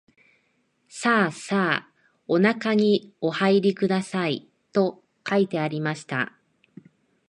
さあさあおなかにおはいりください、と書いてありました